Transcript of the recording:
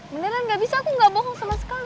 beneran gak bisa aku nggak bohong sama sekali